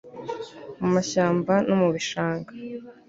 mu mashyamba no mu bishanga